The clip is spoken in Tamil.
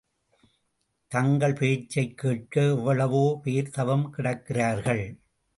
தங்கள் பேச்சைக் கேட்க எவ்வளவோ பேர் தவம் கிடக்கிறார்கள்.